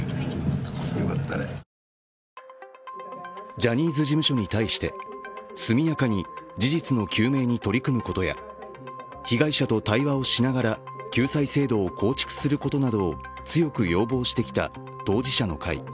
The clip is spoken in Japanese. ジャニーズ事務所に対して速やかに事実の究明に取り組むことや被害者と対話をしながら救済制度を構築することを強く要望してきた当事者の会。